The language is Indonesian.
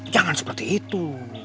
jangan seperti itu